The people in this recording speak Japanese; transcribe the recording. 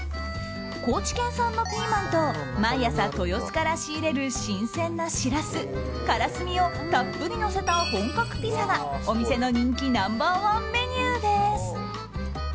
高知県産のピーマンと毎朝、豊洲から仕入れる新鮮なシラス、カラスミをたっぷりのせた本格ピザがお店の人気ナンバー１メニューです。